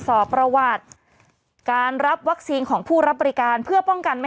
สอบประวัติการรับวัคซีนของผู้รับบริการเพื่อป้องกันไม่